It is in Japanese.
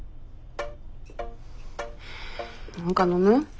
何か飲む？